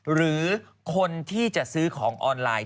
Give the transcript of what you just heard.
หรือคนที่จะซื้อของออนไลน์